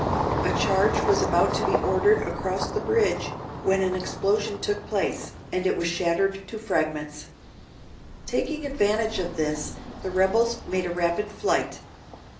A charge was about to be ordered across the bridge, when an explosion took place, and it was shattered to fragments. Taking advantage of this, the rebels made a rapid flight.